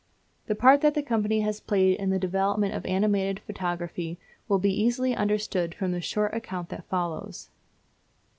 The part that the company has played in the development of animated photography will be easily understood from the short account that follows.